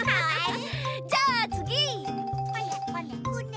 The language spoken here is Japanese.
じゃあつぎ！